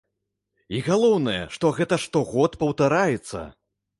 І галоўнае, што гэта штогод паўтараецца!